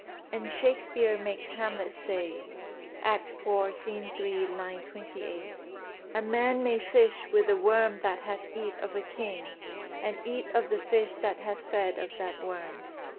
And Shakespeare makes Hamlet say (Act IV, Scene 3, line 28): "A man may fish with the worm that hath eat of a king, and eat of the fish that hath fed of that worm."